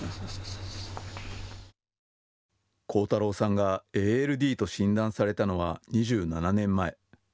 光太郎さんがＡＬＤと診断されたのは、２７年前。